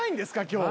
今日。